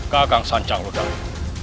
kakang senjang lodaya